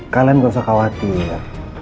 kalian gak usah khawatir